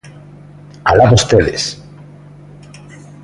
¡Alá vostedes!